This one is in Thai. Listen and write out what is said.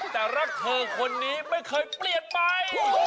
แต่รักเธอคนนี้ไม่เคยเปลี่ยนไป